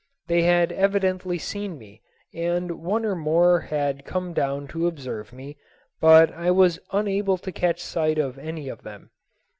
They had evidently seen me, and one or more had come down to observe me, but I was unable to catch sight of any of them.